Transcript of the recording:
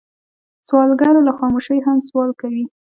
سوالګر له خاموشۍ هم سوال کوي